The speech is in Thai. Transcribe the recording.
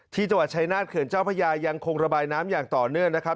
ที่จังหวัดชายนาฏเขื่อนเจ้าพระยายังคงระบายน้ำอย่างต่อเนื่องนะครับ